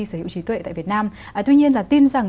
sở hữu trí tuệ tại việt nam tuy nhiên là tin rằng